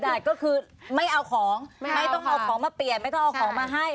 ก็คือไม่เอาของไม่ต้องเอาของมาเปลี่ยนไม่ต้องเอาของมาให้